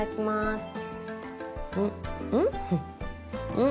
うん。